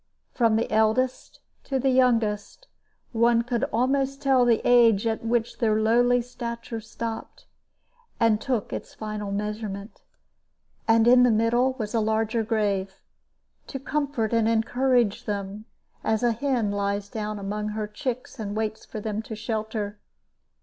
From the eldest to the youngest, one could almost tell the age at which their lowly stature stopped, and took its final measurement. And in the middle was a larger grave, to comfort and encourage them, as a hen lies down among her chicks and waits for them to shelter.